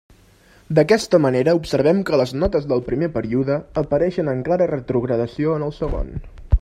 D'aquesta manera observem que les notes del primer període apareixen en clara retrogradació en el segon.